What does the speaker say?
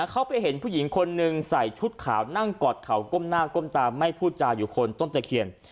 เขาไปเห็นผู้หญิงคนหนึ่งใส่ชุดขาวนั่งกอดเขาก้มหน้าก้มตาไม่พูดจาอยู่คนต้นตะเคียน